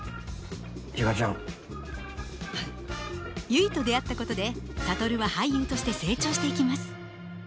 結と出会ったことで諭は俳優として成長していきます。